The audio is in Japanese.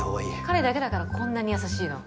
彼だけだからこんなに優しいの。